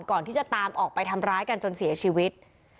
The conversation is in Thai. ก่อนที่จะตามออกไปทำร้ายกันจนเสียชีวิต